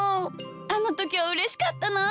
あのときはうれしかったなあ。